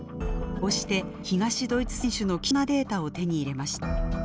こうして東ドイツ選手の貴重なデータを手に入れました。